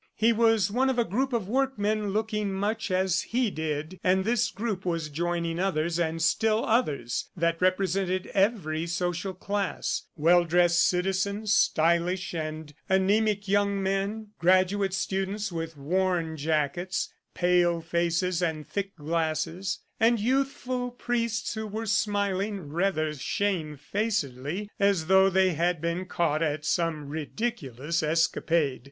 He was one of a group of workmen looking much as he did, and this group was joining others and still others that represented every social class well dressed citizens, stylish and anaemic young men, graduate students with worn jackets, pale faces and thick glasses, and youthful priests who were smiling rather shamefacedly as though they had been caught at some ridiculous escapade.